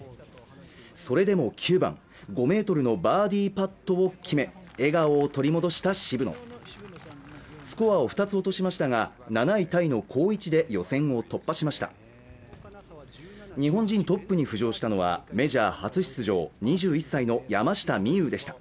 それでも後半９番５ｍのバーディーパットを決め笑顔を取り戻した渋野スコアを２つ落としましたが７位タイの好位置で予選を突破しました日本人トップに浮上したのはメジャー初出場２１歳の山下美夢有でした